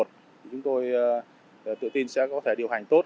chúng tôi tự tin sẽ có thể điều hành tốt